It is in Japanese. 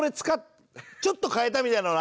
ちょっと変えたみたいなのはあっても。